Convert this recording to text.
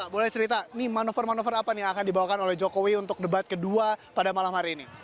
boleh cerita nih manuver manuver apa nih yang akan dibawakan oleh jokowi untuk debat kedua pada malam hari ini